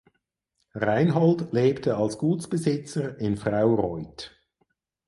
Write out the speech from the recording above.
Reinhold lebte als Gutsbesitzer in Fraureuth.